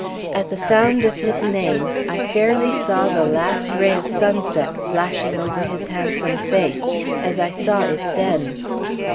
At the sound of his name, I fairly saw the last ray of sunset flashing over his handsome face, as I saw it then.